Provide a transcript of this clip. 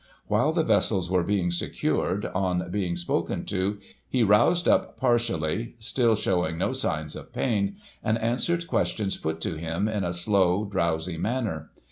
While the vessels were being secured, on being spoken to, he roused up partially (still showing no signs of pain), and answered questions put to him, in a slow, drowsy manner.